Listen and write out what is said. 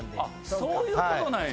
そういうことなんや。